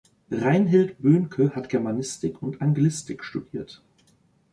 Reinhild Böhnke hat Germanistik und Anglistik studiert.